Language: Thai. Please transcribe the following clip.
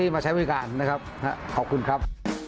มาใช้บริการนะครับขอบคุณครับ